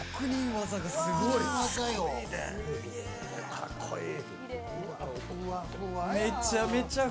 かっこいい。